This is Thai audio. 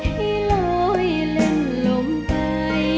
ให้ล้อยเล็นหลวงเต้น